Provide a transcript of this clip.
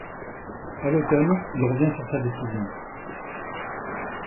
À l'automne, il revient sur sa décision.